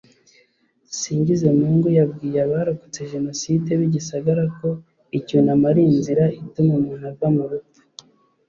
Dusingizemungu yabwiye abarokotse Jenoside b’i Gisagara ko icyunamo ari inzira ituma umuntu ava mu rupfu